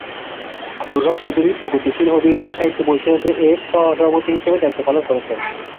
আব্দুর রউফ চৌধুরী প্রগতিশীল হবিগঞ্জ সাহিত্য পরিষদের এর সহ সভাপতি হিসেবে দায়িত্ব পালন করেছেন।